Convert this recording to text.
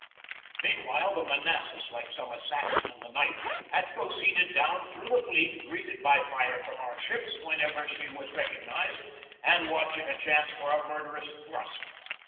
Meanwhile the Manassas, like some assassin in the night, had proceeded down through the fleet, greeted by fire from our ships whenever she was recognized, and watching a chance, for a murderous thrust.